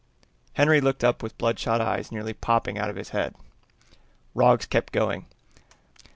Henry looked up with bloodshot eyes nearly popping out of his head. Roggs kept going.